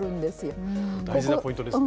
大事なポイントですね。